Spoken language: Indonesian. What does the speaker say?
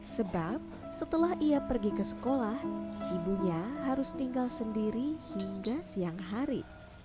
sebab setelah ia pergi ke sekolah ibunya harus tinggal sendiri hingga siang hari